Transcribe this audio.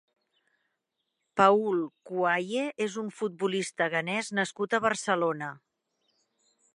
Paul Quaye és un futbolista ghanès nascut a Barcelona.